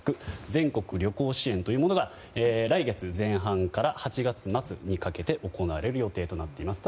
全国旅行支援というものが来月前半から８月末にかけて行われる予定となっています。